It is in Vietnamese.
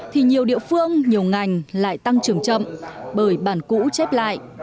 thì nhiều địa phương nhiều ngành lại tăng trưởng chậm bởi bản cũ chép lại